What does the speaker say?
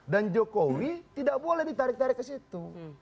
dan jokowi tidak boleh ditarik tarik ke situ